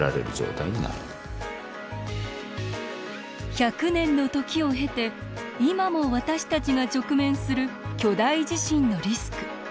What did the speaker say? １００年の時を経て今も私たちが直面する巨大地震のリスク。